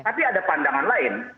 tapi ada pandangan lain